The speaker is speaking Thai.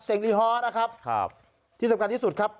รีฮอร์นะครับครับที่สำคัญที่สุดครับ